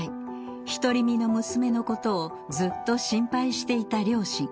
独り身の娘のことをずっと心配していた両親。